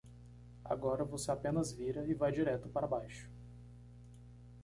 Agora você apenas vira e vai direto para baixo.